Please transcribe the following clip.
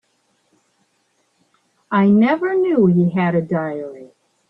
I never knew he had a diary.